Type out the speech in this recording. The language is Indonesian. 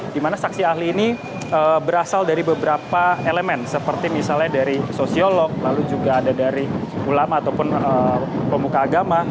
di mana saksi ahli ini berasal dari beberapa elemen seperti misalnya dari sosiolog lalu juga ada dari ulama ataupun pemuka agama